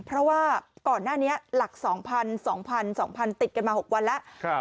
เพราะว่าก่อนหน้านี้หลักสองพันสองพันสองพันติดกันมาหกวันแล้วครับ